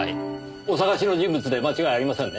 お捜しの人物で間違いありませんね？